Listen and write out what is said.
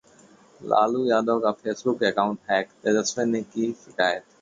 लालू यादव का Facebook account hack, Tejashwi ने की शिकायत